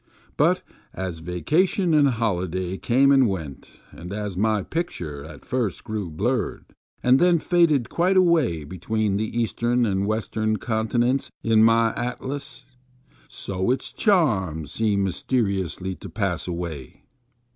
But as vacation and holiday came and went, and as my picture at first grew blurred, and then faded FROM A BACK WINDOW. 231 quite away between the Eastern and Western con tinents in my atlas, so its charm seemed mysteri ously to pass away.